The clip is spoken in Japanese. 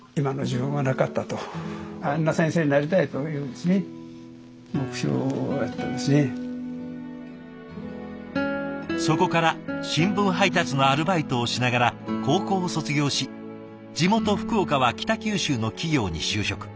まあ僕ちょっとそこから新聞配達のアルバイトをしながら高校を卒業し地元・福岡は北九州の企業に就職。